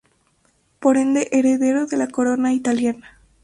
Por ende, heredero de la Corona italiana.